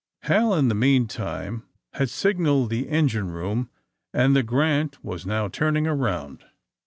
Hal, in the meantime, had signaled the engine room and the "Grant" was now turning around.